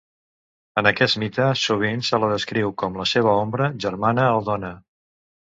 En aquest mite, sovint se la descriu com la seva ombra, germana o dona.